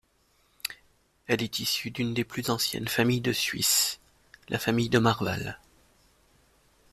Elle est issue d'une des plus anciennes familles de Suisse, la famille de Marval.